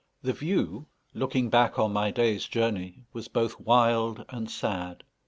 The view, looking back on my day's journey, was both wild and sad.